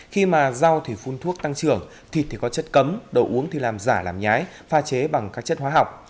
khi mà rau thì phun thuốc tăng trưởng thịt thì có chất cấm đồ uống thì làm giả làm nhái pha chế bằng các chất hóa học